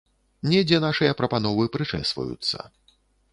Недзе нашыя прапановы прычэсваюцца.